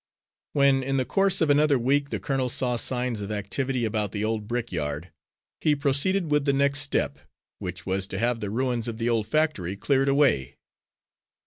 When in the course of another week the colonel saw signs of activity about the old brickyard, he proceeded with the next step, which was to have the ruins of the old factory cleared away.